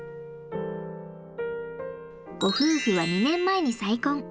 ご夫婦は２年前に再婚。